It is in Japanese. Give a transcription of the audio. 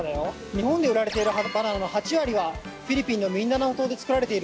日本で売られているバナナの８割はフィリピンのミンダナオ島で作られているんだ。